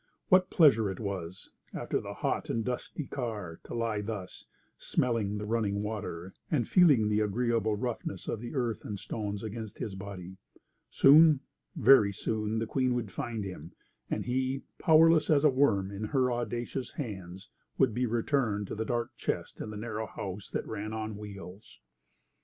What pleasure it was, after the hot and dusty car, to lie thus, smelling the running water, and feeling the agreeable roughness of the earth and stones against his body! Soon, very soon the Queen would find him, and he, powerless as a worm in her audacious hands, would be returned to the dark chest in the narrow house that ran on wheels.